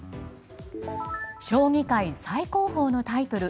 将棋界最高峰のタイトル